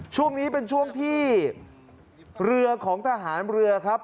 ช่วงนี้เป็นช่วงที่เรือของทหารเรือครับ